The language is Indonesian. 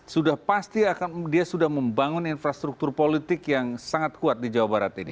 sudah pasti akan dia sudah membangun infrastruktur politik yang sangat kuat di jawa barat ini